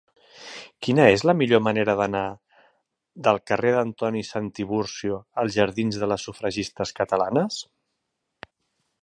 Quina és la millor manera d'anar del carrer d'Antoni Santiburcio als jardins de les Sufragistes Catalanes?